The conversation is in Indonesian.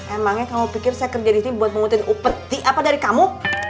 emangnya kamu pikir saya kerja disini buat mengutip upeti apa dari kamu